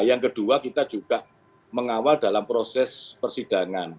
yang kedua kita juga mengawal dalam proses persidangan